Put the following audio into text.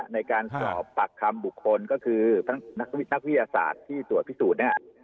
ในการสอบปากคำบุคคลก็คือทั้งนักวิทยาศาสตร์ที่ตรวจพิสูจน์เนี่ย